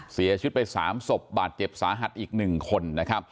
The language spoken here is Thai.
เสียชุดไป๓ศพบาดเจ็บสาหัสอีก๑คน